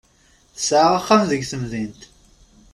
Tesɛa axxam deg temdint.